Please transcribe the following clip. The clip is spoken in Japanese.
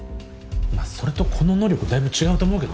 まっそれとこの能力だいぶ違うと思うけどね。